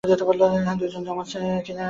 হ্যাঁ, দুইজন জমজ কিনা নিশ্চিত না।